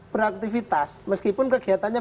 beraktivitas meskipun kegiatannya